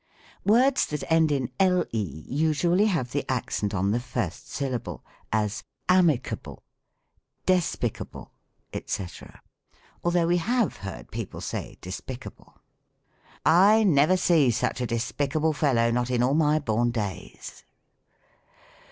Words that end in le usually have the accent on the first syllable: as, "A'micable, despicable," cStc: al though we have heard people say "despicable." "I never see such a despicable fellow, not in all my born days."